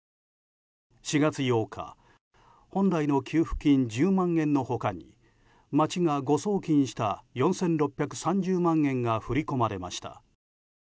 ４月８日、本来の給付金１０万円の他に町が誤送金した４６３０万円が振り込まれました。